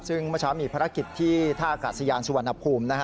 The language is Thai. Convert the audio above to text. ซึ่งเมื่อเช้ามีภารกิจที่ท่าอากาศยานสุวรรณภูมิ